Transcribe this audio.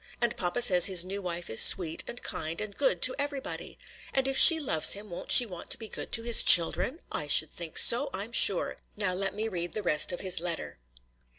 And papa says his new wife is sweet and kind and good to everybody. And if she loves him won't she want to be good to his children? I should think so, I'm sure. Now let me read the rest of his letter."